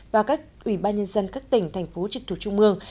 và các ủy ban nhân dân các tỉnh thành phố trực thuộc trung mương